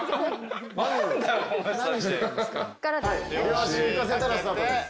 両足浮かせたらスタートです。